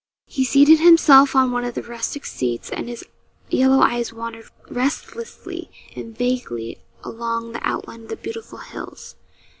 He seated himself on one of the rustic seats, and his yellow eyes wandered restlessly and vaguely along the outline of the beautiful hills.